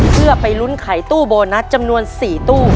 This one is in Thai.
เพื่อไปลุ้นไขตู้โบนัสจำนวน๔ตู้